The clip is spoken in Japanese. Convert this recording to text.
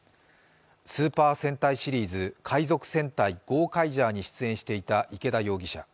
スーパー戦隊シリーズ「海賊戦隊ゴーカイジャー」に出演していた池田容疑者。